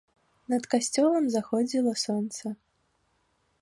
Над касцёлам заходзіла сонца.